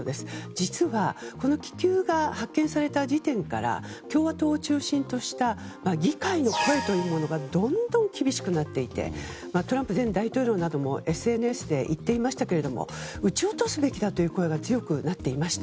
実は、この気球が発見された時点から共和党を中心とした議会の声というものがどんどん厳しくなっていてトランプ前大統領などもＳＮＳで言っていましたけれども撃ち落とすべきだという声が強くなっていました。